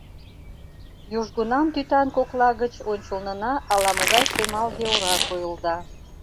Южгунам тӱтан кокла гыч ончылнына ала-могай шемалге ора койылда.